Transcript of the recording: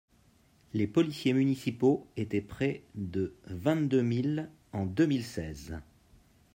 Les policiers municipaux étaient près de vingt-deux mille en deux mille seize.